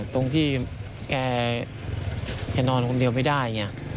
ตรงที่แกนอนคนเดียวไม่ได้ไง